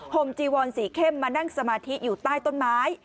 จีวอนสีเข้มมานั่งสมาธิอยู่ใต้ต้นไม้